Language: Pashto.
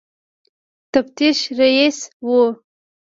تفتیش رییس وو.